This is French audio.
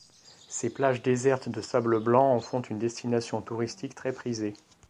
Ses plages désertes de sable blanc en font une destination touristique très prisée.